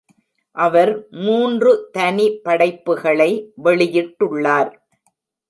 அவர் மூன்று தனி படைப்புகளை வெளியிட்டுள்ளார்.